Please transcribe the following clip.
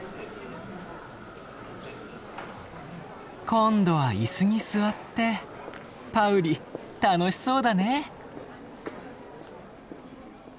今度は椅子に座ってパウリ楽しそうだね。